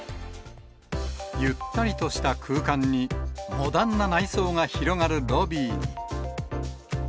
ゆったりとした空間に、モダンな内装が広がるロビーに。